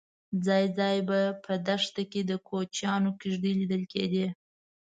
ځای ځای به په دښته کې د کوچیانو کېږدۍ لیدل کېدې.